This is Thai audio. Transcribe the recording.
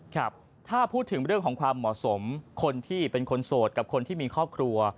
ครับถ้าพูดถึงเรื่องของความเหมาะสมคนที่เป็นคนโสดกับคนที่มีครอบครัว